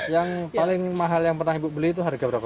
yang paling mahal yang pernah ibu beli itu harga berapa